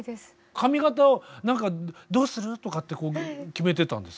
「髪形をどうする？」とかって決めてたんですか？